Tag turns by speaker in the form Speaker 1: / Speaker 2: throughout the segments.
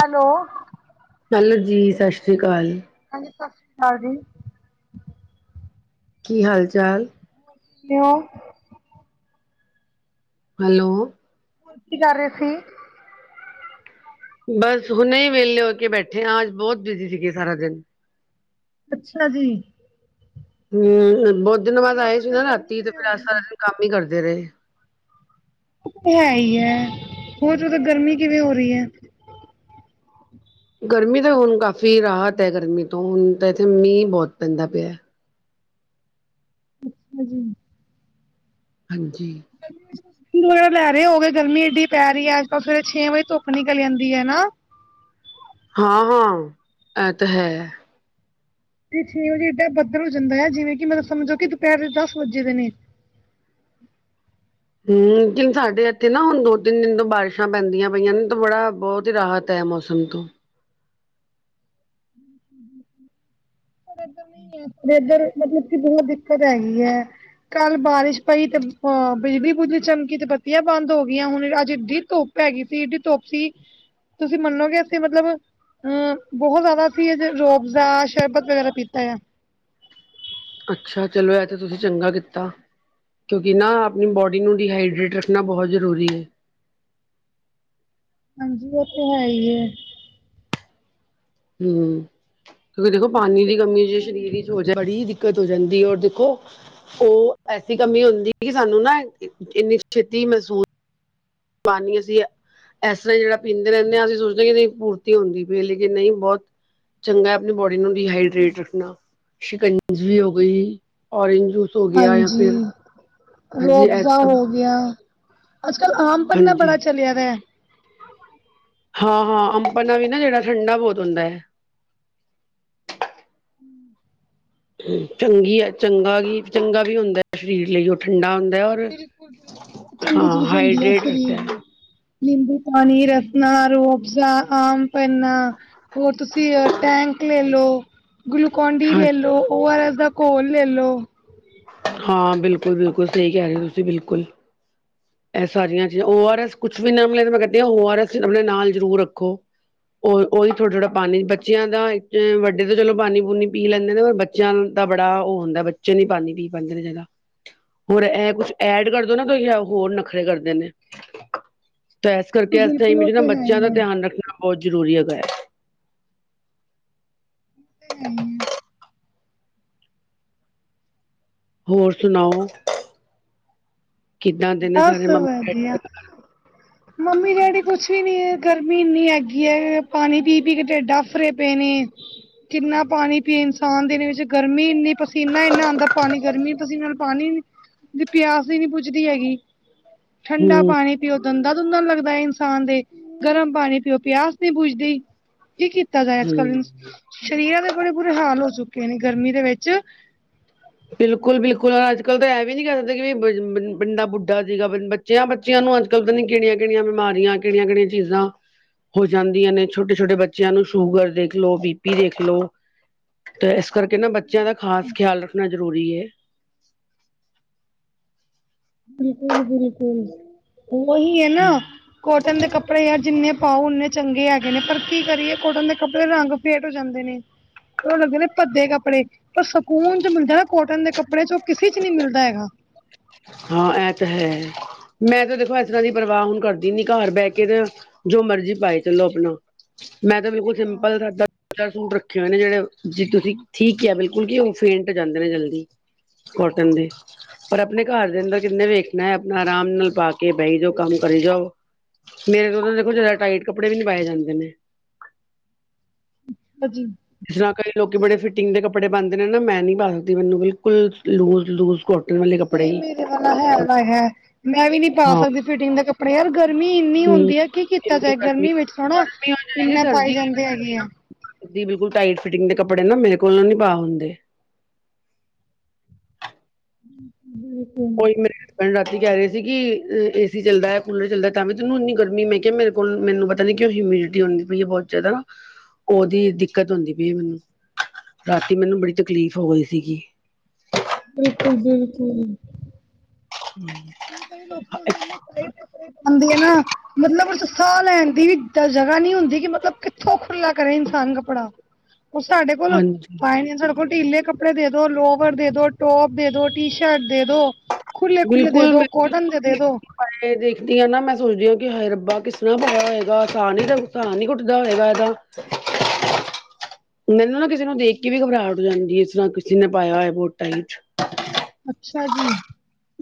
Speaker 1: Hello.
Speaker 2: Hello ਜੀ ਸਤਿ ਸ਼੍ਰੀ ਅਕਾਲ।
Speaker 1: ਹਾਂਜੀ, 'ਸਤਿ ਸ਼੍ਰੀ ਅਕਾਲ ਜੀ'।
Speaker 2: ਕੀ ਹਾਲ-ਚਾਲ?
Speaker 1: ਕਿਉ
Speaker 2: ਹੈਲੋ।
Speaker 1: ਕੀ ਕਰ ਰਹੇ ਸੀ?
Speaker 2: ਬਸ ਹੁਣੇ ਹੀ ਵਹਲੇ ਹੋ ਕੇ ਬੈਠੇ ਹਾਂ, ਅੱਜ ਬਹੁਤ ਬਿਜੀ ਸੀਗੇ ਸਾਰਾ ਦਿਨ।
Speaker 1: ਅੱਛਾ ਜੀ।
Speaker 2: ਹੂੰ, ਬਹੁਤ ਦਿਨਾਂ ਬਾਅਦ
Speaker 1: ਹੋਰ
Speaker 2: ਆਏ ਸੀ
Speaker 1: ਤੁਹਾਡੇ ਉਧਰ
Speaker 2: ਨਾ
Speaker 1: ਗਰਮੀ
Speaker 2: ਰਾਤੀ ਤੇ
Speaker 1: ਕਿਵੇਂ ਹੋ
Speaker 2: ਫਿਰ ਅਜੱ
Speaker 1: ਰਹੀ
Speaker 2: ਸਾਰਾ
Speaker 1: ਹੈ
Speaker 2: ਦਿਨ ਕੰਮ ਹੀ ਕਰਦੇ ਰਹੇ।
Speaker 1: ਹੈ ਹੀ ਹੈ, ਹੋਰ ਜਦੋਂ ਗਰਮੀ ਕਿਵੇਂ ਹੋ ਰਹੀ ਹੈ।
Speaker 2: ਗਰਮੀ ਤਾਂ ਹੁਣ ਕਾਫ਼ੀ ਰਾਹਤ ਹੈ ਗਰਮੀ ਤੋਂ, ਹੁਣ ਤਾਂ ਇੱਥੇ ਮੀਂਹ ਬਹੁਤ ਪੈਂਦਾ ਪਿਆ
Speaker 1: ਹਾਂਜੀ [unintelligible]
Speaker 2: ਹਾਂਜੀ।
Speaker 1: ਵਗ ਲੈ ਰਹੇ ਹੋ ਗਰਮੀ ਇਏਡੀ ਪੈ ਰਹੀ ਹੈ ਅਜ ਕੱਲ ਸਵੇਰ ਛੇ ਵਜੇ ਧੁੱਕ ਨਿਕਲ ਜਾਂਦੀ ਹੈ ਹਨਾ।
Speaker 2: ਹਾਂ ਹਾਂ, ਇਹ ਤਾਂ ਹੈ।
Speaker 1: ਤੇ ਛੇਂ ਵਜੇ ਇੱਦਾਂ ਬੱਧਲ ਹੋ ਜਾਂਦੈ ਜਿਵੇਂ ਕਿ ਮਤਲਬ ਸਮਝੋ ਕਿ ਦੁਪਹਿਰ ਦੇ ਦਸ ਵਜੇ ਦੇ ਨੇ।
Speaker 2: ਹਮ ਕਿਨ ਸਾਡੇ ਇੱਥੇ ਨਾ ਹੁਣ ਦੋ ਤਿੰਨ ਦਿਨ ਤੋਂ ਬਾਰਿਸ਼ਾਂ ਪੈਂਦੀਆਂ ਪਈਆਂ ਨੇ ਤਾਂ ਬੜਾ ਬਹੁਤ ਹੀ ਰਾਹਤ ਤੈ ਮੌਸਮ ਤੋਂ
Speaker 1: ਹਮ [unintelligible] ਇਧਰ ਮਤਲਬ ਕਿ, ਬਹੁਤ ਦਿੱਕਤ ਹੈਗੀ ਆ। ਕੱਲ ਬਾਰਿਸ਼ ਪਈ ਤੇ ਅ ਬਿਜਲੀ ਬੁਜਲੀ ਚਮਕੀ ਤੇ ਬੱਤੀਆਂ ਬੰਦ ਹੋ ਗਈਆਂ ਹੁਣ ਅੱਜ ਧੁਪ ਹੈਗੀ ਸੀ, ਇਹਡੀ ਧੁੱਪ ਸੀ। ਤੁਸੀਂ ਮੰਨੋਗੇ ਅਸੀਂ ਮਤਲਬ ਅਹ ਬਹੁਤ ਜ਼ਿਆਦਾ ਅਸੀਂ ਰੋਅਫਜ਼ਾੱ, ਸ਼ਰਬਤ ਵਗੈਰਾ ਪੀਤਾ ਆ।
Speaker 2: ਅੱਛਾ, ਚਲੋ ਇਹ ਤੇ ਤੁਸੀਂ ਚੰਗਾ ਕੀਤਾ ਕਿਉਂਕਿ ਨਾ ਆਪਣੀ ਬੋਡੀ ਨੂੰ ਡੀਹਾਈਡਰੇਟ ਰੱਖਣਾ ਬਹੁਤ ਜ਼ਰੂਰੀ ਹੈ।
Speaker 1: ਹਾਂਜੀ, ਉਹ ਤੇ ਹੈ ਹੀ ਏ
Speaker 2: ਹੂੰ, ਕਿਉਂਕਿ ਦੇਖੋ ਪਾਣੀ ਦੀ ਕਮੀ ਜੇ ਸਰੀਰ ਚ ਹੋ ਜੇ ਬੜੀ ਦਿੱਕਤ ਹੋ ਜਾਂਦੀ ਔਰ ਦੇਖੋ ਉਹ ਐਸੀ ਕਮੀ ਹੁੰਦੀ ਕਿ ਸਾਨੂੰ ਨਾ ਇੰਨੀ ਛੇਤੀ ਮਹਿਸੂਸ ਪਾਨੀ ਅਸੀ ਹੈ। ਏਸ ਤਰ੍ਹਾਂ ਹੀ ਜਿਹੜਾ ਪੀਂਦੇ ਰਹਿੰਦੇ, ਅਸੀਂ ਸੋਚਦੇ ਕਿ ਨਹੀਂ ਪੂਰਤੀ ਹੁੰਦੀ ਪਈ ਏ, ਲੇਕਿਨ ਨਹੀ ਬਹੁਤ ਚੰਗਾ ਆਪਣੀ ਬੋਡੀ ਨੂੰ ਡੀਹਾਈਡਰੇਟ ਰੱਖਣਾ, ਸ਼ਿਕੰਜਵੀ ਹੋ ਗਈ, ਓਰੇਂਜ ਜੂਸ ਸੋ ਗਿਆ ਜਾਂ ਫਿਰ
Speaker 1: ਰੋਹ
Speaker 2: ਹਾਂਜੀ ਇਹ
Speaker 1: ਆਫਜ਼ਾ
Speaker 2: ਸਭ
Speaker 1: ਹੋ ਗਿਆ, ਅੱਜ ਕੱਲ੍ਹ ਆਮ ਪੰਨਾ
Speaker 2: ਹਾਂਜੀ
Speaker 1: ਬੜਾ ਚਲਿਆ ਦੈ।
Speaker 2: ਹਾਂ ਹਾਂ, ਆਮ ਪੰਨਾ ਵੀ ਨਾ ਜਿਹੜਾ ਠੰਡਾ ਬਹੁਤ ਹੁੰਦਾ ਹੈ। ਹਮ ਚੰਗੀ ਹੈ ਚੰਗਾ ਵੀ ਚੰਗਾ ਵੀ ਹੁੰਦਾ ਸਰੀਰ ਲਈ, ਉਹ ਠੰਡਾ ਹੁੰਦਾ
Speaker 1: [inaudible] ਚੰਗੀ
Speaker 2: ਹਾਂ
Speaker 1: ਚੀਜ਼ ਹੁੰਦੀ ਹੈ
Speaker 2: ਹਾਈਡਰੇਟ ਰੱਖਦਾ
Speaker 1: ਸਰੀਰ ਨੂੰ
Speaker 2: ਹੈ
Speaker 1: ਨਿੰਬੂ ਪਾਣੀ, ਰਸਨਾ, ਰੂਹਹਫਜਾ, ਆਮ ਪਨਾ ਹੋਰ ਤੁਸੀਂ ਟੈਂਗ ਲੇਲੋ, ਗਲੂਕੋਨ ਡੀ
Speaker 2: ਹਾਂ
Speaker 1: ਲੈਲੋ, ਉਹ ਆਰ ਐਸ ਦਾ ਘੋਲ ਲੈ ਲੋ
Speaker 2: ਹਾਂ ਬਿਲਕੁਲ, ਬਿਲਕੁਲ ਸਹੀ ਕਹਿ ਰਹੇ ਹੋ ਤੁਸੀਂ ਬਿਲਕੁਲ ਇਹ ਸਾਰੀਆਂ ਚੀਜ਼ਾਂ ਓ ਆਰ ਐਸ ਕੁਛ ਵੀ ਨਾ ਮਿਲੇ ਤੇ ਮੈਂ ਕਹਦੀ ਹਾਂ ਓ ਆਰ ਐਸ ਆਪਣੇ ਨਾਲ ਜ਼ਰੂਰ ਰੱਖੋ। ਉਹ ਉਹੀ ਥੋੜਾ, ਥੋੜਾ ਪਾਣੀ ਬੱਚਿਆਂ ਦਾ ਇੱਕ ਵੱਡੇ ਤੇ ਚਲੋ ਪਾਣੀ ਪੂਣੀ ਪੀ ਲੈਂਦੇ ਨੇ ਪਰ ਬੱਚਿਆਂ ਦਾ ਬੜਾ ਉਹ ਹੁੰਦਾ ਬੱਚੇ ਨੀ ਪਾਉਦੀ ਪੀ ਪਾਉਂਦੇ ਨੇ ਜ਼ਿਆਦਾ ਹੋਰ ਇਹ ਕੁੱਛ ਐਡ ਕਰਦੋ ਨਾ ਤੁਸੀਂ ਆਓ ਹੋਰ ਨਖਰੇ ਕਰਦੇ ਨੇ ਤਾਂ ਇਸ ਕਰਕੇ ਇਸ
Speaker 1: ਬਿਲਕੁਲ
Speaker 2: ਟਾਈਮ
Speaker 1: ਉਹ
Speaker 2: 'ਚ
Speaker 1: ਤੇ
Speaker 2: ਨਾ
Speaker 1: ਹੈ
Speaker 2: ਬੱਚਿਆਂ ਦਾ
Speaker 1: ਹੀ
Speaker 2: ਧਿਆਨ ਰੱਖਣਾ ਬਹੁਤ ਜ਼ਰੂਰੀ ਹੈਗਾ ਹੈ।
Speaker 1: ਹ [unintelligible]
Speaker 2: ਹੋਰ ਸੁਣਾਓ, ਕਿੱਦਾਂ ਦੇ ਨੇ ਸਾਡੇ
Speaker 1: ਬਸ
Speaker 2: ਮੰਮੀ-ਡੈਡੀ
Speaker 1: ਵਧੀਆ। ਮੰਮੀ ਡੈਡੀ, ਕੁਛ ਵੀ ਨੀ, ਗਰਮੀ ਇੰਨੀ ਹੈਗੀ ਹੈ। ਪਾਣੀ ਪੀ ਪੀ ਕੇ, ਢਿਡ ਆਫਰੇ ਪਏ ਨੇ। ਕਿੰਨਾ ਪਾਣੀ ਪੀ, ਇਨਸਾਨ ਦੇ ਵਿੱਚ ਗਰਮੀ ਇੰਨੀ, ਪਸੀਨਾ ਇੰਨਾ ਆਉਂਦਾ, ਪਾਣੀ ਗਰਮੀ ਪਸੀਨਾ ਪਾਣੀ ਦੀ ਪਿਆਸ ਵੀ ਨੀ ਬੁਜਦੀ ਹੈਗੀ, ਠੰਡਾ
Speaker 2: ਹੂੰ
Speaker 1: ਪਾਣੀ ਪਿਔ ਦੰਦਾ ਦੁੰਦਾ ਨੂੰ ਲੱਗਦਾ ਏ ਇਨਸਾਨ ਦੇ, ਗਰਮ ਪਾਣੀ ਪਿਔ ਪਿਆਸ ਨੀ ਬੂਝਦੀ ਕੀ ਕੀਤਾ ਜਾਏ, ਅੱਜ
Speaker 2: ਹੂੰ
Speaker 1: ਕੱਲ੍ਹ ਸਰੀਰਾਂ ਦੇ ਬੜੇ ਬੁਰੇ ਹਾਲ ਹੋ ਚੁੱਕੇ ਨੇ, ਗਰਮੀ ਦੇ ਵਿੱਚ
Speaker 2: ਬਿਲਕੁਲ, ਬਿਲਕੁਲ ਅੱਜ ਕੱਲ ਤਾਂ ਇਹ ਵੀ ਨ ਨਹੀਂ ਕਹਿ ਸਕਦੇ, ਵੀ ਬੰਦਾ ਬੁੱਢਾ ਸੀਗਾ ਬੱਚਿਆਂ ਨੂੰ ਅੱਜ ਕੱਲ ਪਤਾ ਨਹੀ ਕਿਹੜੀਆਂ ਕਿਹੜੀਆਂ ਬਿਮਾਰੀਆਂ, ਕਿਹੜੀਆਂ ਕਿਹੜੀਆਂ ਚੀਜ਼ਾਂ ਹੋ ਜਾਂਦੀਆਂ ਨੇ ਛੋਟੇ ਛੋਟੇ ਬੱਚਿਆਂ ਨੂੰ, ਸ਼ੂਗਰ ਦੇਖ ਲੋ, ਬੀ ਪੀ ਦੇਖ ਲਓ ਤੇ ਇਸ ਕਰਕੇ ਨਾ, ਬੱਚਿਆਂ ਦਾ ਖਾਸ ਖਿਆਲ ਰੱਖਣਾ ਜ਼ਰੂਰੀ ਹੈ।
Speaker 1: ਬਿਲਕੁਲ, ਬਿਲਕੁਲ, ਔਹੀ ਏ ਨਾ ਕੋਟਨ ਦੇ ਕੱਪੜੇ ਯਾਰ ਜਿੰਨੇ ਪਾਓ ਓਨੇ ਚੰਗੇ ਹੈਗੇ ਨੇ, ਪਰ ਕੀ ਕਰੀਏ, ਕੋਟਨ ਦੇ ਕੱਪੜੇ ਰੰਗ ਫੇਟ ਹੋ ਜਾਂਦੇ ਨੇ, ਫਿਰ ੳਹ ਲੱਗਦੇ ਨੇ ਭੱਦੇ ਕੱਪੜੇ। ਪਰ ਸਕੂਨ ਜੋ ਮਿਲਦਾ ਨਾ ਕੋਟਨ ਦੇ ਕੱਪੜੇ ਚ, ਉਹ ਕਿਸੇ ਚ ਨਹੀਂ ਮਿਲਦਾ ਹੈਗਾ।
Speaker 2: ਹਾਂ, ਇਹ ਤਾਂ ਹੈ। ਮੈਂ ਤਾਂ ਦੇਖੋ ਇਸ ਤਰ੍ਹਾਂ ਦੀ ਪਰਵਾਹ ਹੁਣ ਕਰਦੀ ਨੀ, ਘਰ ਬਹਿ ਕੇ ਤੇ ਜੋ ਮਰਜ਼ੀ ਪਾਏ ਚਲੋ ਆਪਣਾ। ਮੈਂ ਤਾਂ ਬਿਲਕੁਲ ਸਿੰਪਲ ਸਾਦਾ ਦੋ, ਚਾਰ ਸੂਟ ਰੱਖੇ ਹੋਏ ਨੇ, ਜਿਹੜੇ ਜੀ ਤੁਸੀਂ ਠੀਕ ਕਿਆ ਬਿਲਕੁਲ ਕੀ ਉਹ ਫੇਂਟ ਹੋ ਜਾਂਦੇ ਨੇ ਜਲਦੀ। ਕੋਟਨ ਦੇ, ਪਰ ਆਪਣੇ ਘਰ ਦੇ ਅੰਦਰ ਕਿਹਨੇ ਵੇਖਣੈ, ਆਪਣਾ ਆਰਾਮ ਨਾਲ ਪਾ ਕੇ ਬਈ ਜੋ ਕੰਮ ਕਰੀ ਜਾਓ। ਮੇਰੇ ਤੋਂ ਉਹ ਦੇਖੋ, ਜ਼ਿਆਦਾ ਟਾਈਟ ਕੱਪੜੇ ਵੀ ਨਹੀ ਪਾਏ ਜਾਂਦੇ ਨੇ
Speaker 1: ਹਾਂਜੀ।
Speaker 2: ਜਿਸ ਤਰ੍ਹਾਂ ਕਈ ਲੋਕੀ ਬੜੇ ਫਿਟਿੰਗ ਦੇ ਕੱਪੜੇ ਪਾਉਂਦੇ ਨੇ ਨਾ, ਮੈਂ ਨੀ ਪਾ ਸਕਦੀ, ਮੈਨੂੰ ਬਿਲਕੁਲ ਲੂਜ ਲੂਜ ਕੋਟ ਕੋਟਣ ਵਾਲੇ ਕਪੜੇ
Speaker 1: ਨਹੀਂ
Speaker 2: ਹੀ।
Speaker 1: ਮੇਰੇ ਵਾਲਾ ਹੈਗਾ ਹੈ, ਮੈਂ ਵੀ ਨਹੀਂ ਪਾ
Speaker 2: ਹਾਂ
Speaker 1: ਸਕਦੀ ਫਿਟਿੰਗ ਦੇ ਕੱਪੜੇ ਪਰ ਯਾਰ ਗਰਮੀ ਇੰਨੀ
Speaker 2: ਹਮ
Speaker 1: ਹੁੰਦੀ ਹੈ, ਕੀ ਕੀਤਾ
Speaker 2: ਕਿੰਨੀ
Speaker 1: ਜਾਏ, ਗਰਮੀ ਵਿੱਚ ਥ ਨਾ
Speaker 2: ਗਰਮੀ
Speaker 1: ਇੰਨੇਪਾਏ ਜਾਂਦੇ ਹੈਗੇ ਆ
Speaker 2: ਦੀ ਬਿਲਕੁਲ ਟਾਈਟ ਫਿਟਿੰਗ ਦੇ ਕੱਪੜੇ ਨਾ, ਮੇਰੇ ਕੋਲੋ ਨੀ ਪਾ ਹੁੰਦੇ।
Speaker 1: ਹ ਹਮ [inaudible]
Speaker 2: ਉਹੀ ਮੇਰੇ ਹਸਬੈਂਡ ਰਾਤੀ ਕਹਿ ਰਹੇ ਸੀ, ਕਿ ਏ ਸੀ ਚੱਲ ਦੈ, ਕੂਲਰ ਚੱਲਦੈ, ਤਾਂ ਵੀ ਤੈਨੂੰ ਇੰਨੀ ਗਰਮੀ ਮੈਂ ਕਿਹਾ ਮੇ ਮੈਨੂੰ ਪਤਾ ਨੀ ਕਿਉਂ, ਹਿਮਿਡਿਟੀ ਹੁੰਦੀ ਪਈ ਹੈ ਬਹੁਤ ਜ਼ਿਆਦਾ ਉਹਦੀ ਦਿੱਕਤ ਹੁੰਦੀ ਪਈ ਏ ਮੈਨੂੰ, ਰਾਤੀ ਮੈਨੂੰ ਬੜੀ ਤਕਲੀਫ਼ ਹੋ ਗਈ ਸੀਗੀ।
Speaker 1: ਬਿਲਕੁਲ, ਬਿਲਕੁਲ।
Speaker 2: ਹ [unintelligible]
Speaker 1: [inaudible] ਆਦੀ ਏ ਨਾ। ਮਤਲਬ ਸਾਹ ਲੈਣ ਦੀ ਵੀ ਜਗ੍ਹਾ ਨੀ ਹੁੰਦੀ, ਕਿ ਮਤਲਬ ਕਿੱਥੋਂ ਖੁੱਲ੍ਹਾ ਕਰੇ ਇਨਸਾਨ ਕੱਪੜਾ
Speaker 2: ਹ [unintelligible]
Speaker 1: ਉਹ ਸਾਡੇ ਕੋਲ ਪਾਏ ਨਹੀ, ਸਾਡੇ ਕੋਲ ਢੀਲੇ ਕੱਪੜੇ ਕੱਪੜੇ ਦੇਦੋ, ਲੋਵਰ ਦੇਦੋ, ਟੋਪ ਦੇਦੋ, ਟੀ ਸ਼ਰਟ ਦੇਦੋ।
Speaker 2: ਬਿਲਕੁਲ ਮੈਂ [inaudible]
Speaker 1: ਦੋ
Speaker 2: ਪਾਏ ਦੇਖਦੀ ਆ ਨਾ, ਮੈਂ ਸੋਚਦੀ ਹਾਂ, ਕਿ ਹਾਏ ਰੱਬਾ ਕਿਸ ਤਰ੍ਹਾਂ ਪਾਇਆ ਹੋਏਗਾ, ਸਾਹ ਨੀ ਸਾਹ ਨੀ ਘੁੱਟਦਾ ਹੈਯੇਗਾ ਇਹਦਾ ਮੈਨੂੰ ਨਾ ਕਿਸੇ ਨੂੰ ਦੇਖ ਕੇ ਵੀ ਘਬਰਾਹਟ ਹੋ ਜਾਂਦੀ ਐ, ਇਸ ਤਰ੍ਹਾਂ ਕਿਸੇ ਨੇ ਪਾਇਆ ਹੋਇਆ ਥਹੁਤ ਟਾਇਟ
Speaker 1: ਅੱਛਾ ਜੀ।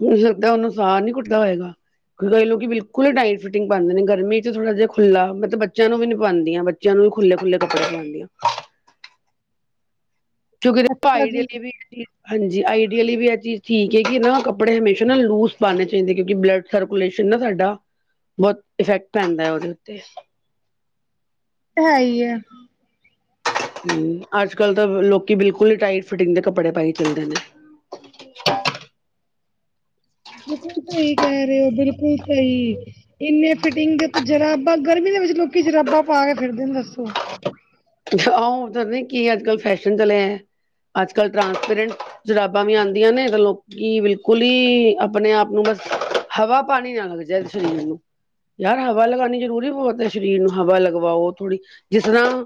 Speaker 2: ਹੋ ਸਕਦਾ ਉਹਨੂੰ ਸਾਹ ਨੀ ਕੁੱਟਦਾ ਹੋਏਗਾ। ਕਿਉਂਿ ਕ ਇਹ ਲੋਕ ਬਿਲਕੁਲ [unintelligible] ਕਈ ਲੋਕੀ ਬਿਲਕੁਲ ਟਾਈਟ ਫਟਿੰਗ ਪਾਉਦੇ ਨੇ, ਗਰਮੀ ਚ ਥੋੜਾ ਜਿਹਾ ਖੁੱਲ੍ਹਾ ਮੈਂ ਤੇ ਬੱਚਿਆਂ ਨੂੰ ਵੀ ਨੀ ਪਾਉਂਦੀ ਆਂ ਜਏ ਖੁੱਲੇ, ਖੁੱਲੇ ਕੱਪੜੇ ਪਾਉਂਦੀਆਂ ਕਿਉਕਿ
Speaker 1: ਅੱਛਾ
Speaker 2: ਭਾਈ ਦੇ
Speaker 1: ਜੀ
Speaker 2: ਲਈ ਵੀ ਇਕ ਚੀਜ਼ ਹਾਂਜੀ ਆਈਡੀਅਲੀ ਵੀ ਇਹ ਚੀਜ਼ ਠੀਕ ਹੈ, ਕਿ ਨਾ ਕੱਪੜੇ ਹਮੇਸ਼ਾ ਨਾ ਲੂਜ ਪਾਉਣੇ ਚਾਹੀਦੇ, ਕਿਉਂਕਿ ਬਲੱਡ ਸਰਕੂਲੇਸ਼ਨ ਨਾ ਸਾਡਾ, ਬਹੁਤ ਇਫੈਕਟ ਪੈਂਦੈ ਉਹਦੇ ਉੱਤੇ
Speaker 1: ਹੈ ਹੀ ਹੈ
Speaker 2: ਹੁੰ, ਅੱਜ-ਕੱਲ ਤਾਂ ਲੋਕੀ ਬਿਲਕੁਲ ਈ ਟਾਈਟ ਫਿਟਿੰਗ ਦੇ ਕੱਪੜੇ ਪਾਈ ਚੱਲਦੇ ਨੇ।
Speaker 1: ਬਿਲਕੁਲ ਸਹੀ ਕਹਿ ਰਹੇ ਹੋ, ਬਿਲਕੁਲ ਸਹੀ ਇੰਨੇ ਫਿਟਿੰਗ ਦੇ ਤੇ ਜਰਾਬਾਂ, ਗਰਮੀ ਦੇ ਵਿੱਚ ਲੋਕੀ ਜਰਾਬਾਂ ਪਾ ਕੇ ਫਿਰਦੇ ਨੇ, ਦੱਸੋ।
Speaker 2: ਆ ਦੱਸ ਨ ਕੀ ਅੱਜ ਕੱਲ ਫੈਸ਼ਨ ਚਲੇਆ ਆ ਅੱਜ-ਕੱਲ੍ਹ ਟਰਾਂਸਪੇਰੈਂਟ ਜਰਾਬਾਂ ਵੀ ਆਂਦੀਆਂ ਨੇ, ਗੱਲੋਂ ਕੀ ਬਿਲਕੁਲ ਈ, ਆਪਣੇ-ਆਪ ਨੂੰ ਬਸ ਹਵਾ ਪਾਣੀ ਨਾ ਲੱਗ ਜੇ ਸ਼ਰੀਰ ਨੂੰ। ਯਾਰ, ਹਵਾ ਲਗਾਣੀ ਜ਼ਰੂਰੀ ਬੋਤ ਏ। ਸ਼ਰੀਰ ਨੂੰ ਹਵਾ ਲਗਵਾਓ, ਥੋੜ੍ਹੀ ਜਿਸ ਤਰ੍ਹਾਂ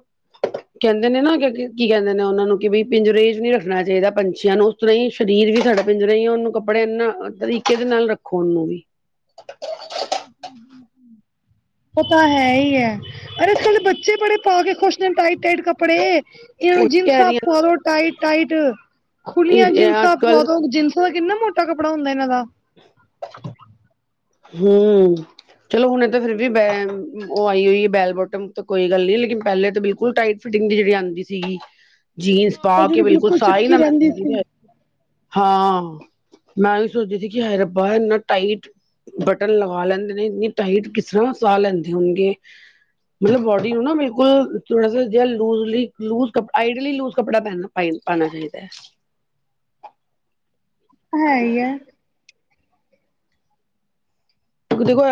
Speaker 2: ਕੈੰਦੇ ਨੇ ਨਾ, ਕੀ ਕੈਂਦੇ ਨੇ ਔਨਾਂ ਨੂੰ ਕਿ ਬਈ ਪਿੰਜਰੇ ਇਚ ਨੀ ਰੱਖਣਾ ਚਾਹੀਦਾ ਪੰਛੀਆਂ ਨੂੰ। [unintelligible] ਸਰੀਰ ਵੀ ਸਾਡਾ ਪਿੰਜਰਾ ਈ ਏ ਔਨੂੰ ਕੱਪੜੇ ਇਨਾ ਤਰੀਕੇ ਦੇ ਨਾਲ ਰੱਖੋ ਔਨੂੰ ਵੀ। ਅੱ [inaudible]
Speaker 1: ਹੂ ਹੂ ਹੂ ਔ ਤਾਂ ਹੈ ਹੀ ਹੈ। ਅਰੇ, ਅੱਜ-ਕੱਲ੍ਹ ਦੇ ਬੱਚੇ ਬੜੇ ਪਾ ਕੇ ਖੁਸ਼ ਟਾਈਟ-ਟਾਈਟ ਕੱਪੜੇ, ਇਨਾਂ
Speaker 2: ਉਹੀ ਕਹਿ
Speaker 1: ਜਿਨਸਾ
Speaker 2: ਰਹੀ
Speaker 1: ਪੁਆ ਲੋ ਟਾਈਟ-ਟਾਈਟ। ਖੁੱਲੀਆਂ
Speaker 2: ਹਾਂ ਅੱਜ
Speaker 1: ਜਿਨਸਾਂ
Speaker 2: ਕੱਲ
Speaker 1: ਪੁਆ ਦੋ, ਜਿਨਸਾਂ ਦਾ ਕਿੰਨਾ ਮੋਟਾ ਕੱਪੜਾ ਹੁੰਦਾ ਇਹਨਾਂ ਦਾ
Speaker 2: [inaudible] ਹਮ ਚਲੋ ਹੁਣੇ ਤਾਂ ਫਿਰਰ ਵੀ ਬੈ ਉਹ ਆਈ ਹੋਈ ਹੈ ਬੈਲ ਬੋਟਮ, ਤਾਂ ਕੋਈ ਗੱਲ ਨ ਲੇਕਿਨ ਪਹਿਲੇ ਤਾਂ ਬਿਲਕੁਲ ਟਾਈਟ ਫਿਟਿੰਗ ਦੀ ਜੇੜੀ ਆਂਦੀ ਸੀਗੀ, ਜੀਨਸ
Speaker 1: ਉਹ
Speaker 2: ਪਾ ਕੇ
Speaker 1: ਜਿਹੜੀ
Speaker 2: ਬਿਲਕੁਲ ਸਾਂ ਈ ਨਾ ਮੈਂ ਹਾਂ, ਮੈਂ ਵੀ ਸੋਚਦੀ ਸੀ ਕਿ, ਹਾਏ ਰਬਾ ਏੱਨਾ ਟਾਈਟ। ਬਟਨ ਲਗਾ ਲੈਂਦੇ ਨੇ ਇੰਨੀ ਟਾਈਟ ਕਿਸ ਤਰ੍ਹਾਂ ਸਾਹ ਲੈਂਦੇ ਹੋਣਗੇ? ਮਤਲਬ, ਬੋਡੀ ਨੂੰ ਨਾ ਬਿਲਕੁਲ ਥੋੜਾ ਜਾ ਲੂੂਜਲੀ ਲੁਜ, ਕਪੜਾ ਟਾਈਟਲੀ ਲੂਜ ਕੱਪੜਾ ਪੈਨਣਾ ਪ ਪਾਣਾ ਇਹਦੇ।
Speaker 1: ਹੈ ਹੀ ਹੈ।
Speaker 2: ਦੇਖੋ,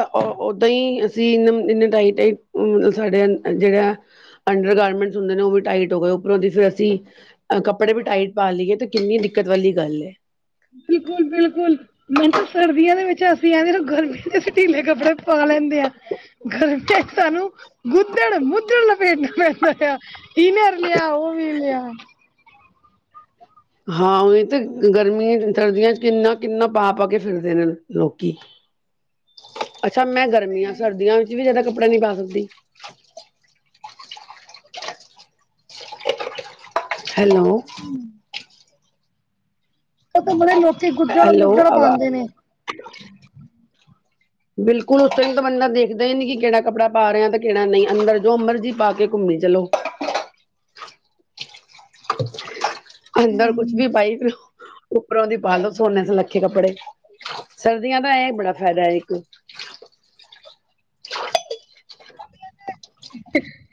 Speaker 2: ਓਦਾਂ ਹੀ ਅਸੀਂ ਇ ਇ ਟਾਈਟ ਟਾਈਟ ਮਤਲਬ ਸਾਡੇ ਜਿਹੜਾ ਅੰਡਰ ਗਾਰਮੈਂਟਸ ਹੁੰਦੇ ਨੇ, ਔ ਵੀ ਟਾਈਟ ਹੋ ਗਏ। ਉੱਪਰੋਂ ਦੀ ਫੇਰ ਅਸੀਂ ਅ ਕੱਪੜੇ ਵੀ ਟਾਈਟ ਪਾ ਲਈਏ ਤੇ ਕਿੰਨੀ ਦਿੱਕਤ ਵਾਲੀ ਗੱਲ ਹੈ।
Speaker 1: ਬਿਲਕੁਲ ਬਿਲਕੁਲ। ਮੈਨੂੰ ਤਾਂ ਸਰਦੀਆਂ ਦੇ ਵਿੱਚ ਅਸੀਂ, ਐਵੇ ਗ ਗਰਮੀ ਦੇ ਅਸੀਂ ਟੀਲੇ ਕੱਪੜੇ ਪਾ ਲੈਂਦੇ ਆਂ। ਗਰਮੀਆਂ ਸਾਨੂੰ ਗੁੱਦੜ-ਮੁੱਦੜ ਲਪੇਟਨਾ ਪੈਂਦਾ। ਨਰਲੀਿਆ ਓਵਲਿਆ
Speaker 2: ਹਾਂ ਉਵੇ ਤੇ, ਗਰਮੀਆਂ ਸਰਦੀਆਂ ਚ ਕਿੰਨਾ ਕਿੰਨਾ ਪਾ ਪਾ ਕੇ ਫਿਰਦੇ ਨੇ ਲੋਕੀ ਅੱਛਾ ਮੈਂ ਗਰਮੀੀਆਂ ਸਰਦੀਆਂ ਵਿੱਚ, ਜ ਵੀ ਜਿਆਦਾ ਕੱਪੜਾ ਨਹੀਂ ਪਾ ਸਕਦੀ ਹੈਲੋ।
Speaker 1: [inaudible] ਬੜੇ ਲੋਕੀ
Speaker 2: ਹੈਲੋ
Speaker 1: ਗੁੱਦੜ-ਮੁੱਦੜ
Speaker 2: ਆਵਾ
Speaker 1: ਪਾਂਦੇ ਨੇ।
Speaker 2: [inaudible] ਬਿਲਕੁਲ ਉਸ [unintelligible] ਤਾਂ ਬੰਦਾ ਦੇਖਦਾ ਹੀ ਨੀ, ਕੇੜਾ ਕੱਪੜਾ ਪਾ ਰਿਆ ਤੇ ਕੇੜਾ ਨਈ। ਅੰਦਰ ਜੋ ਮਰਜੀ ਪਾ ਕੇ ਕੁਮੀ ਚਲੋ। ਅੰਦਰ ਕੁਛ ਵੀ [unintelligible] ਉੱਪਰੋਂ ਦੀ ਪਾਾਲੋ ਸੋਨੇ ਸ ਲੱਖੇ ਕੱਪੜੇ, ਸਰਦੀਆਂ ਦਾ ਇਹ ਬੜਾ ਫਾਇਦਾ ਇੱਕ [inaudible]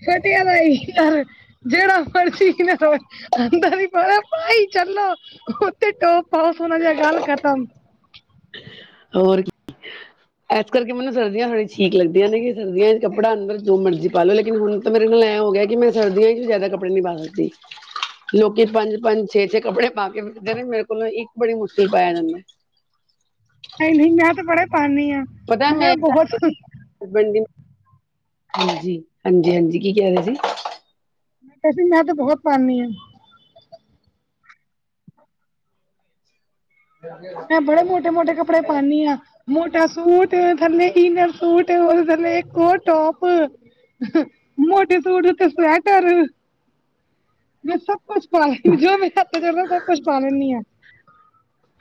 Speaker 1: ਸਤੀਆ ਬਾਈ ਜਰ ਜੇੜਾ ਮਰਜੀ ਨਾ, ਹੋਏ ਅੰਦਰ ਈ ਪਾਨਾ ਪਾਈ ਚੱਲੋ। ਟੋਪ ਪਾੳ ਹੋਨਾਂ ਦੀਆਂ ਗੱਲ ਖਤਮ
Speaker 2: ਹੋਰ ਕੀ, ਏਸ ਕਰਕੇ ਮੈਨੂੰ ਸਰਦੀਆਂ ਥੋੜ੍ਹੀ ਠੀਕ ਲੱਗਦੀਆਂ ਨੇ ਸਰਦੀਆ 'ਚ ਕਪੜਾ ਜੋ ਮਰਜੀ ਪਾ ਲ ਲੋ ਲੇਕਿਨ ਹੁਣ ਤਾਂ ਮੇਰੇ ਨਾਲ ਐਂ ਹੋ ਗਿਆ ਕਿ ਮੈਂ ਸਰਦੀਆਂ ਚ ਜ਼ਿਆਦਾ ਕੱਪੜੇ ਜਿਆਦਾ ਨੀ ਪਾ ਸਕਦੀ ਲੋਕੀ ਪੰਜ-ਪੰਜ, ਛੇ-ਛੇ ਕੱਪੜੇ ਪਾ ਕੇ ਫਿਰਦੇ ਨੇ। ਮੇਰੇ ਕੋਲੋਂ ਇੱਕ ਬੜੀ ਮੁਸ਼ਕਿਲ ਪਾਇਆ ਜਾਂਦਾ।
Speaker 1: ਨਈ-ਨਈ, ਮੈਂ ਤੇ ਬੜੇ। ਪਾਉਦੀ ਹਾਂ।
Speaker 2: ਪਤਾ ਮੈਂ। ਹਾਂਜੀ, ਹਾਂਜੀ ਹਾਂਜੀ, ਕੀ ਕਹਿ ਰਹੇ ਸੀ।
Speaker 1: ਮੈਂ ਤੇ ਬਹੁਤ ਪਾਦੀ ਹਾਂ। ਮੈਂ ਬੜੇ ਮੋਟੇ ਮੋਟੇ ਕੱਪੜੇ ਪਾਉਦੀ ਹਾਂ। ਮੋਟਾ ਸੂਟ, ਥੱਲੇ ਇਨਰ ਸੂਟ, ਉਹਦੇ ਥੱਲੇ ਇਕ ਹੋਰ ਟੋਪ ਮੋਟੇ ਸੂਟ ਹ ਤੇ ਸਵੈਟਰ ਮੈਂ ਸਭ ਕੁੱਛ ਪਾ ਲੈਂਨੀ ਆ। ਜੋ ਮੇਰੇ ਹੱਥ ਅਂਦਾ, ਸਭ ਕੁਛ ਪਾ ਲੈਂਨੀ ਆਂ।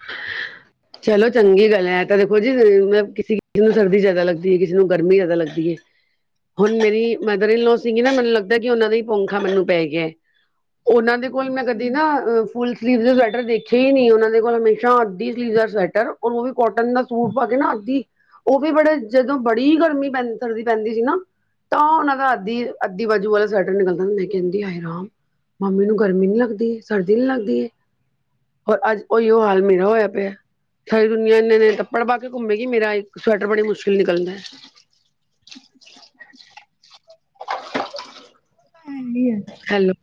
Speaker 2: [unintelligible] ਚਲੋ, ਚੰਗੀ ਗੱਲ ਐ। ਤਾਂ ਦੇਖੋ ਜੀ, ਮੈ ਕਿਸੇ ਕਿਸੇ ਨੂੰ ਸਰਦੀ ਜਾਦਾ ਲੱਗਦੀ ਏ, ਕਿਸੇ ਨੂੰ ਗਰਮੀ ਜਿਆਦਾ ਲੱਗਦੀ ਏ। ਹੁਣ ਮੇਰੀ ਮਦਰ ਇਨ ਲੋੋਅ ਸੀਗੀ ਨਾ ਮੈਨੂੰ ਲੱਗਦਾ ਕਿ ਉਹਨਾਂ ਦਾ ਹੀ ਪੌਖਾ ਮੈਨੂੰ ਪੈ ਗਿਆ। ਉਹਨਾਂ ਦੇ ਕੋਲ ਮੈਂ ਕਦੇ ਨਾ ਫੁਲ ਸਲੀਵ ਦੇ ਸਵੈਟਰ ਦੇਖੇ ਹੀ ਨਹੀਂ ਉਹਨਾਂ ਦੇ ਕੋਲ ਮੈਂ ਅਛਾ ਅੱਧੀ ਸਲੀਜ਼ਰ ਸਵੈਟਰ ਔਰ ਉਹ ਵੀ ਕੋਟਨ ਦਾ ਸੂਟ ਪਾ ਕੇ ਨਾ ਅੱਧੀ ਔ ਵੀ ਬੜੇ। ਜਦੋਂ ਬੜੀ ਗਰਮੀ ਪੈਂ, ਸਰਦੀ ਪੈਂਦੀ ਸੀ ਨਾ। ਤਾਂ ਔਨਾਂ ਦਾ ਅੱਧੀ ਅੱਧੀ ਬਾਜੂ ਵਾਲਾ ਸਵੈਟਰ ਨਿਕਲਦਾ। ਮੈ ਕੈੱਦੀ ਹਾਏ ਰਾਮ। ਮੰਮੀ ਨੂੰ ਗਰਮੀ ਨੀ, ਲੱਗਦੀ ਸਰਦੀ ਨੀ, ਲੱਗਦੀ ਹੋਰ ਅੱਜ ਔਈਯੋ ਹਾਲ। ਮੇਰਾ ਹੋਇਆ ਪਿਆ। ਸਾਰੀ ਦੁਨੀਆਂ ਇੰਨੇ ਨੇ ਕੱਪੜ ਪਾ ਕੇ ਕੁੱਮੇਗੀ ਮੇਰਾ ਇੱਕ ਸਵੈਟਰ ਬੜੀ ਮੁਸ਼ਕਿਲ ਨਿਕਲਦਾ ਐ। [unintelligible]
Speaker 1: ਹਾਂਜੀ ਆ
Speaker 2: ਹੈਲੋ।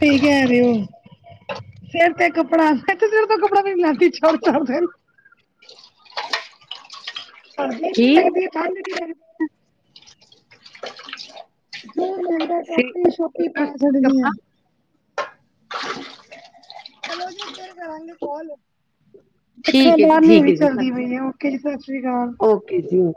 Speaker 1: ਸਈ ਕੈ ਰੇ ਔ, ਸੇਰ ਤੇ ਕਪੜਾ ਏਥੇ ਸੇਰ, ਤੇ ਕਪੜਾ ਕੋਈ ਨੀ ਲੈ [unintelligible] ਸਰਦੀ ਇਨੀ
Speaker 2: ਕੀ
Speaker 1: ਲਗਦੀ, ਠੰਡ ਇਨੀ ਲਗਦੀ।
Speaker 2: [unintelligible]
Speaker 1: ਜੋ ਮਿਲਦਾ ਟੋਪੀ ਸ਼ੋਪੀ ਪਾ ਛੱਡਦੀ ਆ [inaudible] ਚਲੋ ਜੇ, ਫੇਰ ਕਰਾਂਗੇ ਕਾਲ [inaudible] ਇਥੇ ਬਾਹਰ
Speaker 2: ਠੀਕ ਹੈ ਜੀ
Speaker 1: ਬਹੁਤ
Speaker 2: ਠੀਕ
Speaker 1: ਹਨੇਰੀ
Speaker 2: ਹੈ ਜੀ
Speaker 1: ਚੱਲਦੀ ਪਈ, ਓਕੇ ਜੀ ਸਤਿ ਸ੍ਰੀ ਅਕਾਲ-
Speaker 2: ਕੈਸੇ ਹੋ